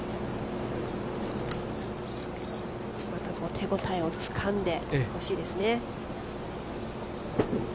手応えをつかんでほしいですね。